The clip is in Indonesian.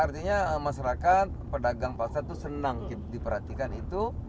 artinya artinya masyarakat pedagang pasar tuh senang diperhatikan itu